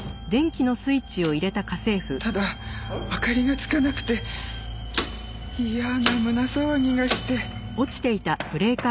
ただ明かりがつかなくて嫌な胸騒ぎがして。